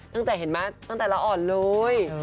เห็นไหมตั้งแต่ละอ่อนเลย